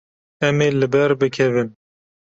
Em ê li ber bikevin.